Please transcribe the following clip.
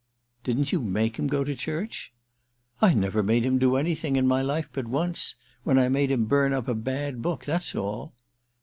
"Didn't you make him go to church?" "I never made him do anything in my life but once—when I made him burn up a bad book. That's all!"